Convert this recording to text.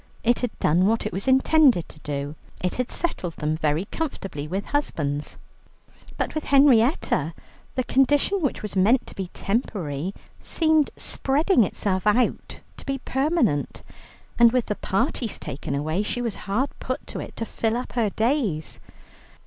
It had done what it was intended to do, it had settled them very comfortably with husbands. But with Henrietta, the condition which was meant to be temporary, seemed spreading itself out to be permanent, and with the parties taken away, she was hard put to it to fill up her days.